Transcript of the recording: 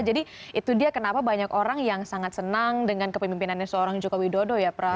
jadi itu dia kenapa banyak orang yang sangat senang dengan kepemimpinannya seorang jokowi dodo ya pak